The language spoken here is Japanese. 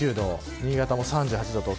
新潟も３８度と。